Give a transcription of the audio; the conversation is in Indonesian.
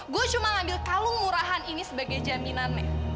gue cuma ngambil kalung murahan ini sebagai jaminannya